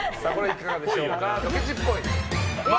いかがでしょうか？